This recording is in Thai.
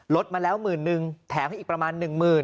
ลดมาแล้ว๑๐๐๐๐บาทแถมให้อีกประมาณ๑๐๐๐๐บาท